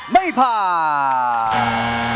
ไม่ผ่าน